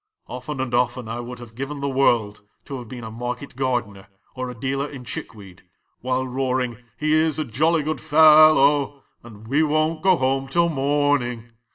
"Often and often I would have given the world to have been a market gardener or a dealer in chick weed while roaring ' He is a jolly good fellow,' and 'We won't go home till morn ing